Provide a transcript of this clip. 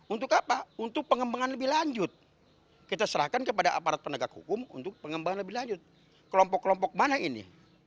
untuk apa untuk pengembangan lebih lanjut kita serahkan kepada aparat penegak hukum untuk pengembangan lebih lanjut kelompok kelompok mana ini